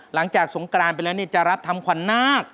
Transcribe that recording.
หลังจากสงกรานไปแล้วจะรับทำขวัญนาค